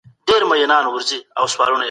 د ټولني ونډه څه ده؟